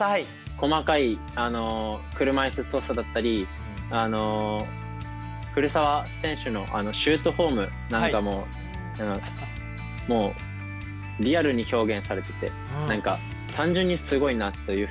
細かい車いす操作だったり古澤選手のシュートフォームなんかももうリアルに表現されてて何か単純にすごいなというふうに感じました。